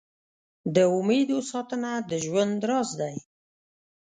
د امېدو ساتنه د ژوند راز دی.